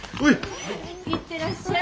行ってらっしゃい。